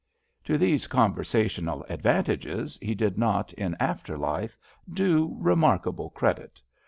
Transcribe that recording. To these conversational advantages he did not in after life do remarkable credit.